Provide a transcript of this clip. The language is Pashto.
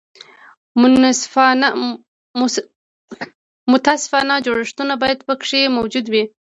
منصفانه جوړښتونه باید پکې موجود وي.